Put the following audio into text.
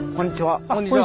こんにちは。